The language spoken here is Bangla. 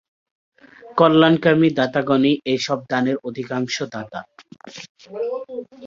কল্যাণকামী দাতাগণই এ সব দানের অধিকাংশ দাতা।